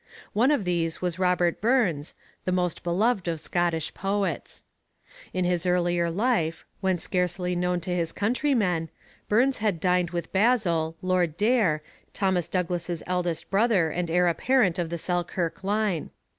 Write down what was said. One of these was Robert Burns, the most beloved of Scottish poets. In his earlier life, when scarcely known to his countrymen, Burns had dined with Basil, Lord Daer, Thomas Douglas's eldest brother and heir apparent of the Selkirk line.